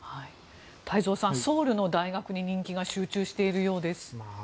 太蔵さん、ソウルの大学に人気が集中しているようです。